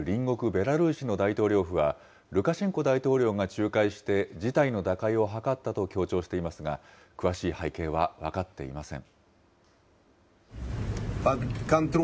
ベラルーシの大統領府は、ルカシェンコ大統領が仲介して事態の打開を図ったと強調していますが、詳しい背景は分かっていません。